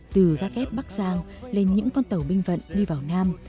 từ ga kép bắc giang lên những con tàu binh vận đi vào nam